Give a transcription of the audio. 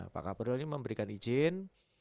pak kapolri ini memberikan izin